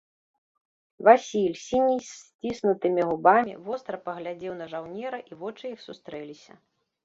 Васіль, сіні, з сціснутымі губамі, востра паглядзеў на жаўнера, і вочы іх сустрэліся.